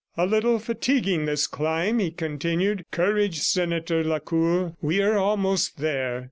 "A little fatiguing, this climb," he continued. "Courage, Senator Lacour! ... We are almost there."